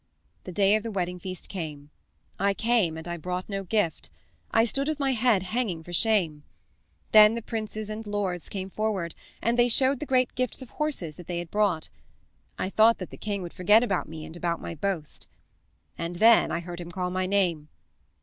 "The day of the wedding feast came. I came and I brought no gift. I stood with my head hanging for shame. Then the princes and the lords came forward, and they showed the great gifts of horses that they had brought. I thought that the king would forget about me and about my boast. And then I heard him call my name.